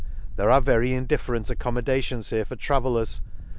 — There are very indifferent accommodations here for travellers.